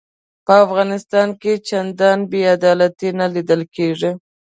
په افغانستان کې چنداني بې عدالتي نه لیده کیږي.